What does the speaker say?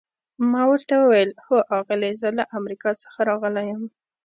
ما ورته وویل: هو آغلې، زه له امریکا څخه راغلی یم.